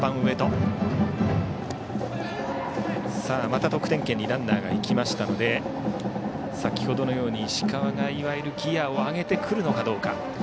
また得点圏にランナーが行きましたので先程のように石川がギヤを上げてくるのかどうか。